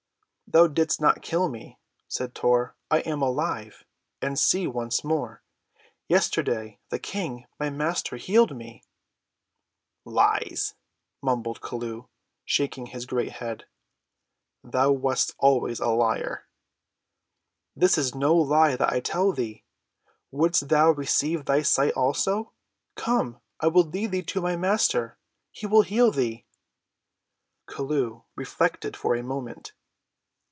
"Thou didst not kill me," said Tor. "I am alive, and see once more. Yesterday the King, my Master, healed me." "Lies!" mumbled Chelluh, shaking his great head,—"thou wast always a liar." "This is no lie that I tell thee. Wouldst thou receive thy sight also? Come, I will lead thee to my Master. He will heal thee." Chelluh reflected for a moment.